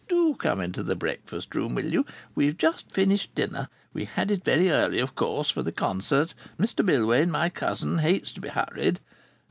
"Do come into the breakfast room, will you? We've just finished dinner. We had it very early, of course, for the concert. Mr Millwain my cousin hates to be hurried.